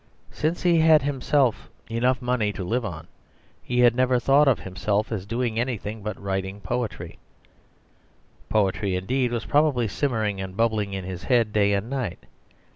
Since he had himself enough money to live on, he had never thought of himself as doing anything but writing poetry; poetry indeed was probably simmering and bubbling in his head day and night.